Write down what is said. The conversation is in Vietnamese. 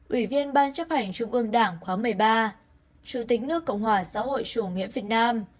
ủy viên ban chấp hành trung ương đảng khóa một mươi ba chủ tịch nước cộng hòa xã hội chủ nghĩa việt nam